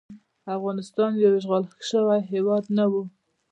افغانستان یو اشغال شوی هیواد نه وو.